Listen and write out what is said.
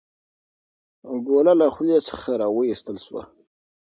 ګوله له خولې څخه راویستل شوه.